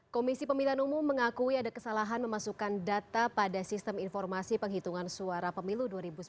komisi pemilihan umum mengakui ada kesalahan memasukkan data pada sistem informasi penghitungan suara pemilu dua ribu sembilan belas